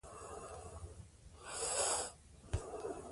د مالي چارو ارزښت ور وپیژنئ.